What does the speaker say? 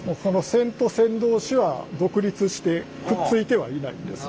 線と線同士は独立してくっついてはいないんです。